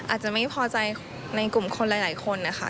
อาจจะไม่พอใจในกลุ่มคนหลายคนนะคะ